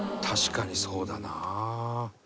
確かにそうだな。